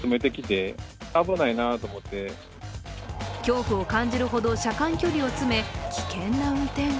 恐怖を感じるほど車間距離を詰め、危険な運転。